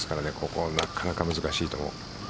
ここはなかなか難しいところ。